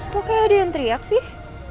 kok kayak ada yang teriak sih